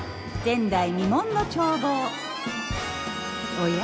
おや？